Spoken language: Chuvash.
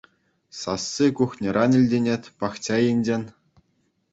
Сасси кухньӑран илтӗнет, пахча енчен.